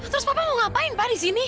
terus bapak mau ngapain pak di sini